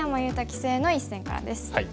棋聖の一戦からです。